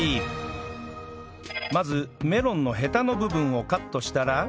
まずメロンのヘタの部分をカットしたら